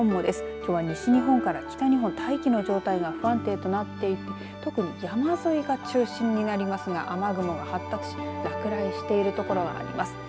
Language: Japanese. きょうは西日本から北日本大気の状態が不安定となっていて特に山沿いが中心になりますが雨雲が発達し落雷している所があります。